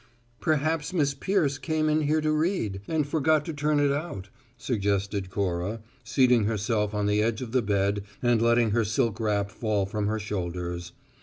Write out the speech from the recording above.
"Perhaps Miss Peirce came in here to read, and forgot to turn it out," suggested Cora, seating herself on the edge of the bed and letting her silk wrap fall from her shoulders.